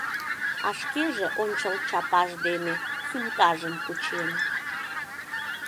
А шкеже ончыл чапаж дене сумкажым кучен.